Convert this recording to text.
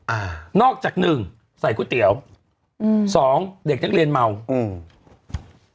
อ่านอกจากหนึ่งใส่ก๋วยเตี๋ยวอืมสองเด็กนักเรียนเมาอืม